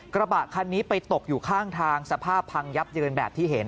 กระบะคันนี้ไปตกอยู่ข้างทางสภาพพังยับเยินแบบที่เห็น